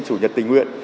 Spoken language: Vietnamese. chủ nhật tình nguyện